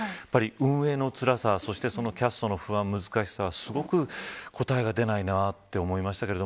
運営のつらさ、キャストの不安難しさ、すごく答えが出ないなと思いました。